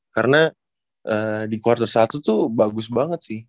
karena di quarter satu tuh bagus banget sih